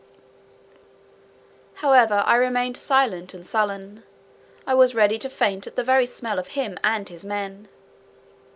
However, I remained silent and sullen; I was ready to faint at the very smell of him and his men.